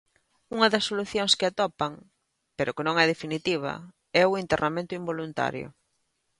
Unha da solucións que atopan, pero que non é definitiva, é o internamento involuntario.